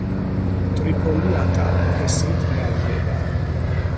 ტრიფოლიატა თესლით მრავლდება.